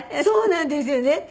そうなんですよね。